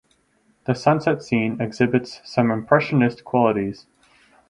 The sunset scene exhibits some impressionist qualities.